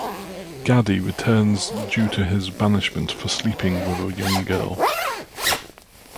Gadi returns due to his banishment for sleeping with a young girl.